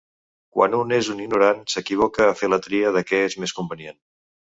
Quan un és un ignorant, s'equivoca a fer la tria de què és més convenient.